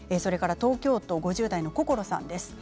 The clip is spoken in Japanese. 東京都５０代の方からです。